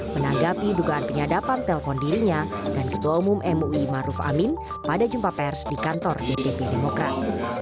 menanggapi dugaan penyadapan telpon dirinya dan ketua umum mui maruf amin pada jumpa pers di kantor dpp demokrat